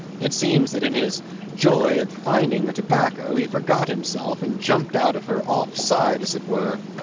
It seems that in his joy at finding the tobacco he forgot himself and jumped out on her off side, as it were.